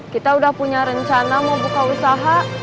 kita udah punya rencana mau buka usaha